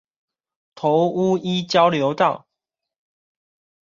頭屋一交流道